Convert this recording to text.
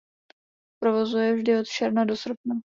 V provozu je vždy od června do srpna.